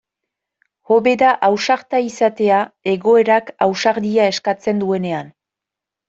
Hobe da ausarta izatea egoerak ausardia eskatzen duenean.